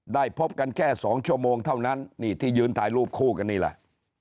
พบกันแค่๒ชั่วโมงเท่านั้นนี่ที่ยืนถ่ายรูปคู่กันนี่แหละ